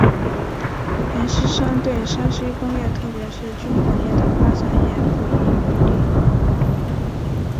阎锡山对山西工业特别是军火业的发展也不遗余力。